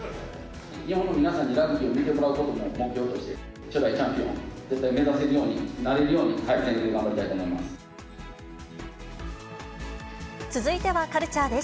日本の皆さんにラグビーを見てもらうことを目標にして、初代チャンピオン、絶対目指せるように、なれるように、全力で頑張りたいと思います。